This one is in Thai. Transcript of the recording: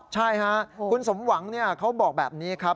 ใช่ค่ะคุณสมหวังเขาบอกแบบนี้ครับ